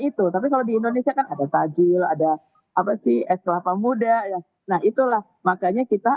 itu tapi kalau di indonesia kan ada tajil ada apa sih es kelapa muda ya nah itulah makanya kita